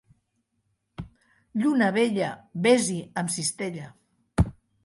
Lluna vella, ves-hi amb cistella.